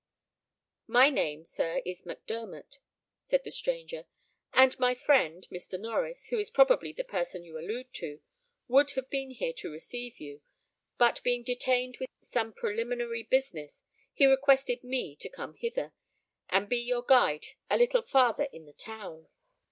"My name, sir, is Mac Dermot," replied the stranger; "and my friend, Mr. Norries, who is probably the person you allude to, would have been here to receive you, but being detained with some preliminary business, he requested me to come hither, and be your guide a little farther in the town."